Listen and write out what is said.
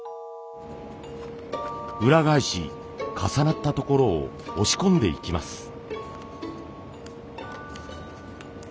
裏返し重なったところを押し込んでいきます。